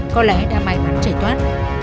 có lẽ đã may mắn trải thoát